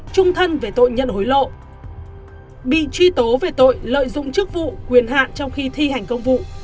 trung thân về tội nhận hối lộ bị truy tố về tội lợi dụng chức vụ quyền hạn trong khi thi hành công vụ